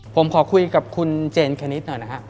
ผมขอคุยกับคุณเจนคณิตหน่อยนะฮะ